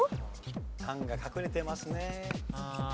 「たん」が隠れてますね。